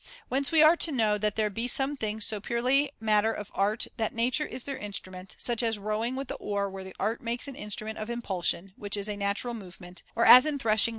Whence we are to know that there be some things so purely matter of art that nature is their instru ment, such as rowing with the oar where the art makes an instrument of impulsion, which is a natural movement ; or as in threshing